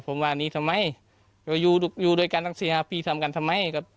ผมว่านี้ทำไมอยู่ด้วยกันตั้ง๔๕ปีทำกันทำไมครับ